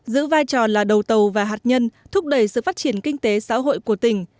giữ vai trò là đầu tàu và hạt nhân thúc đẩy sự phát triển kinh tế xã hội của tỉnh